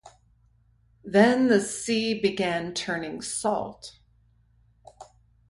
Then the sea begun turning salt.